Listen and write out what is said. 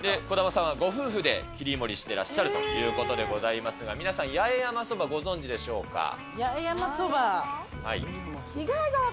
児玉さんはご夫婦で切り盛りしてらっしゃるということでございますが、皆さん、八重山そば、ご存じでしょうか？